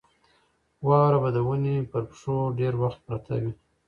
واوره به د ونې پر پښو ډېر وخت پرته وي.